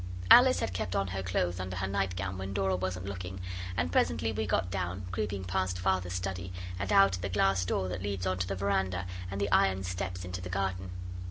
Alice had kept on her clothes under her nightgown when Dora wasn't looking, and presently we got down, creeping past Father's study, and out at the glass door that leads on to the veranda and the iron steps into the garden.